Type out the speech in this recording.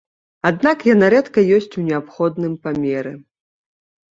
Аднак яна рэдка ёсць у неабходным памеры.